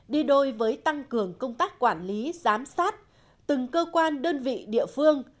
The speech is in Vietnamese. đi đôi với tăng cường công tác quản lý giám sát từng cơ quan đơn vị địa phương